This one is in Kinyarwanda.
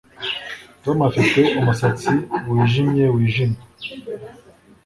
Tom afite umusatsi wijimye wijimye